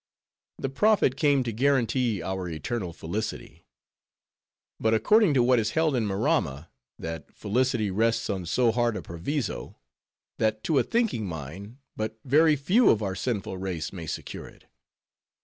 The prophet came to guarantee our eternal felicity; but according to what is held in Maramma, that felicity rests on so hard a proviso, that to a thinking mind, but very few of our sinful race may secure it.